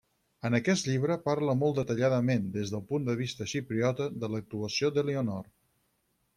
En aquest llibre parla molt detalladament, des del punt de vista xipriota, de l'actuació d'Elionor.